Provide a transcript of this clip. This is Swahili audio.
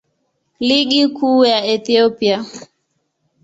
Ligi Kuu ya Ethiopia.